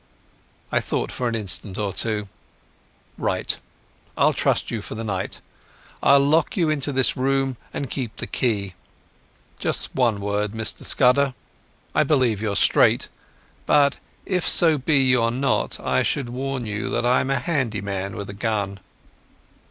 I thought for an instant or two. "Right. I'll trust you for the night. I'll lock you into this room and keep the key. Just one word, Mr Scudder. I believe you're straight, but if so be you are not I should warn you that I'm a handy man with a gun."